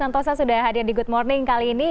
santosa sudah hadir di good morning kali ini